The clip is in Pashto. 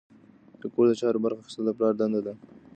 د کور د چارو برخه اخیستل د پلار دنده ده.